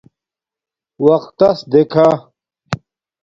وقتس دیکھہ